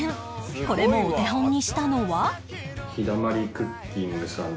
これもお手本にしたのは